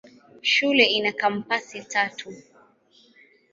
Shule ina kampasi tatu.